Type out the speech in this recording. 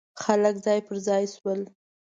خلک ځای پر ځای شول.